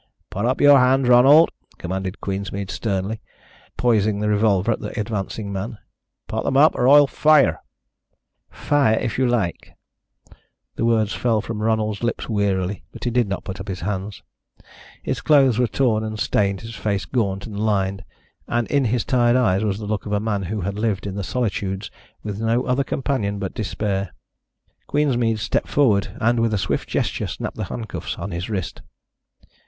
"Put up your hands, Ronald," commanded Queensmead sternly, poising the revolver at the advancing man. "Put them up, or I'll fire." "Fire if you like." The words fell from Ronald's lips wearily, but he did not put up his hands. His clothes were torn and stained, his face gaunt and lined, and in his tired eyes was the look of a man who had lived in the solitudes with no other companion but despair. Queensmead stepped forward and with a swift gesture snapped the handcuffs on his wrist.